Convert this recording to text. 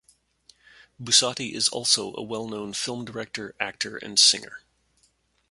Bussotti is also a well-known film director, actor, and singer.